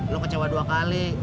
lu kecewa dua kali